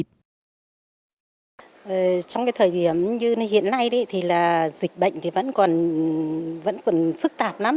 trong thời điểm như hiện nay dịch bệnh vẫn còn phức tạp lắm